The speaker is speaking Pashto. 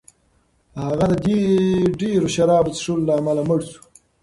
هغه د ډېرو شرابو د څښلو له امله مړ شو.